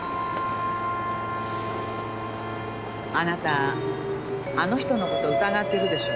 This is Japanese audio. あなたあの人の事疑ってるでしょ？